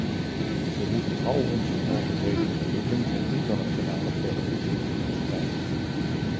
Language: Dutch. We moeten al onze mogelijkheden benutten het internationale terrorisme te bestrijden.